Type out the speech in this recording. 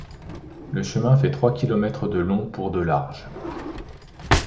Le chemin fait trois kilomètres de long pour de large.